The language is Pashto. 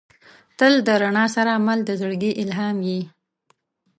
• ته د رڼا سره مل د زړګي الهام یې.